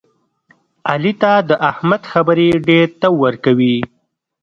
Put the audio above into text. علي ته د احمد خبرې ډېرتاو ورکوي.